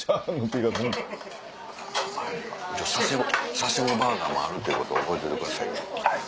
佐世保バーガーもあるってこと覚えといてくださいよ。